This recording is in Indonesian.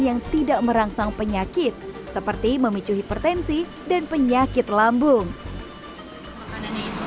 yang tidak merangsang penyakit seperti memicu hipertensi dan penyakit lambung makanan itu